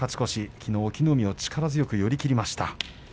きのう隠岐の海を力強く寄り切りました。